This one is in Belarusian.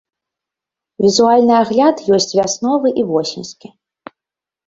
Візуальны агляд ёсць вясновы і восеньскі.